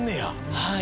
はい。